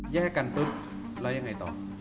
แยกกันปุ๊บแล้วยังไงต่อ